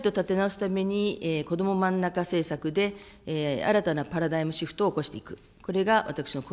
これをしっかりと立て直すために子ども真ん中政策で、新たなパラダイムシフトを起こしていく。